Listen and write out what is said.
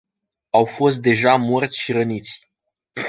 Au fost deja morți și răniți.